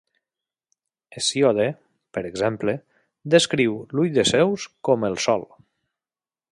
Hesíode, per exemple, descriu l'ull de Zeus com el sol.